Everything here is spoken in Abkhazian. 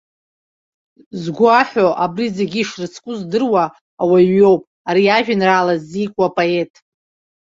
Згәы аҳәо, убри зегьы ишрыцку здыруа, ауаҩ иоуп ари ажәеинраала ззикуа апоет.